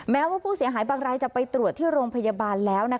แม้ว่าผู้เสียหายบางรายจะไปตรวจที่โรงพยาบาลแล้ว